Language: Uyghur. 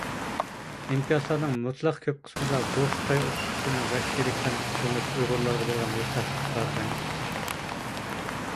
ئىنكاسلارنىڭ مۇتلەق كۆپ قىسمىدا بۇ خىتاي ئوقۇتقۇچىنىڭ ۋەھشىيلىكى تەنقىد قىلىنىپ، ئۇيغۇرلارغا بولغان ھېسداشلىق ئىپادىلەندى.